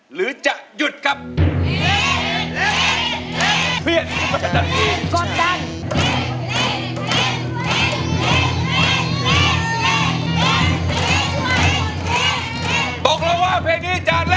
เพลงที่สี่